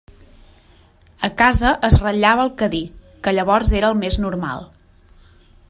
A casa es ratllava el Cadí, que llavors era el més normal.